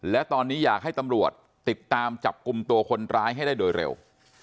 และตอนนี้อยากให้ตำรวจติดตามจับกลุ่มตัวคนร้ายให้ได้โดยเร็ว